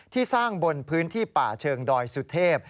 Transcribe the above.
ที่สร้างบนพื้นที่ป่าเชิงดอยสุทธิบ